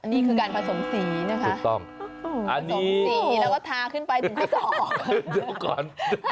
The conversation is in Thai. นี่คือการผสมสีนะคะอันนี้โหเดี๋ยวก่อน